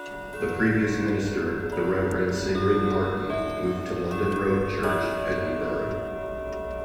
The previous minister, the Reverend Sigrid Marten, moved to London Road Church, Edinburgh.